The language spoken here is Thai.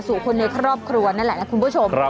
สู่คนในครอบครัวนั่นแหละนะคุณผู้ชม